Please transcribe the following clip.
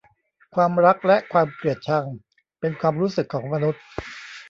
ความรักและความเกลียดชังเป็นความรู้สึกของมนุษย์